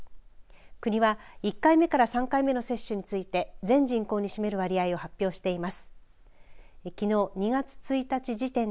国は１回目から３回目までの接種について全人口に占める割合を発表しています。